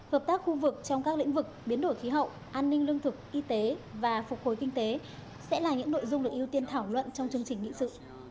hợp tác khu vực trong các lĩnh vực biến đổi khí hậu an ninh lương thực y tế và phục hồi kinh tế sẽ là những nội dung được ưu tiên thảo luận trong chương trình nghị sự